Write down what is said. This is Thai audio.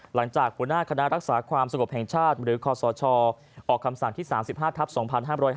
หลังจากหัวหน้าคณะรักษาความสงบแห่งชาติหรือคศออกคำสั่งที่๓๕ทับ๒๕๕๙